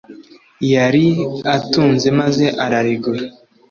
yari atunze maze ararigura